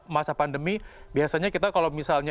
masa pandemi biasanya kita kalau misalnya